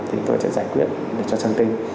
thì chúng tôi sẽ giải quyết cho sang tên